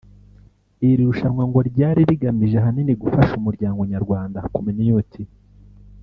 iri rushanwa ngo ryari rigamije ahanini gufasha umuryango Nyarwanda (community)